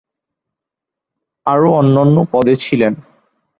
আরো অন্যন্য পদে ছিলেন।